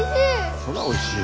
おいしい！